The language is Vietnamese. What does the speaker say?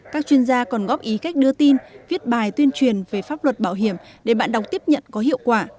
các chuyên gia còn góp ý cách đưa tin viết bài tuyên truyền về pháp luật bảo hiểm để bạn đọc tiếp nhận có hiệu quả